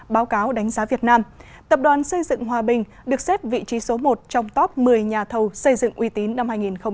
báo cáo đánh giá việt nam tập đoàn xây dựng hòa bình được xếp vị trí số một trong top một mươi nhà thầu xây dựng uy tín năm hai nghìn một mươi chín